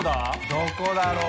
どこだろう？